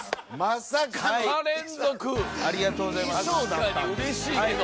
確かにうれしいけど。